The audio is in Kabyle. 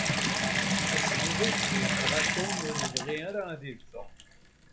Ass-nni, d agfur, dɣa Tom ur yebɣi ara ad yeffeɣ.